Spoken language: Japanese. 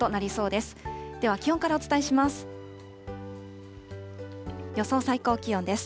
では気温からお伝えします。